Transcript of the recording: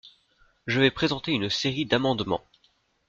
Je vais présenter une série d’amendements.